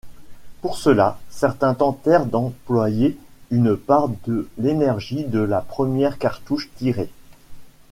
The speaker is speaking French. Pour cela certains tentèrent d'employer une part de l'énergie de la première cartouche tirée.